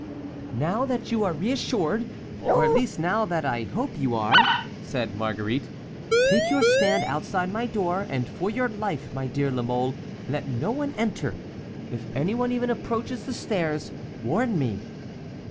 "Now that you are reassured, or at least now that I hope you are," said Marguerite, "take your stand outside my door, and for your life, my dear La Mole, let no one enter. If any one even approaches the stairs, warn me."